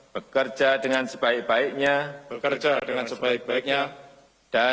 bekerja dengan sebaik baiknya